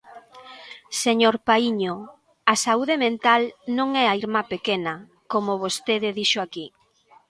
Señor Paíño, a saúde mental non é a irmá pequena, como vostede dixo aquí.